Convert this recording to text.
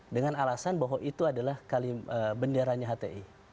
dengan alasan bahwa itu adalah benderanya hti